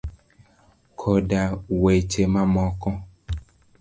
koda weche mamoko.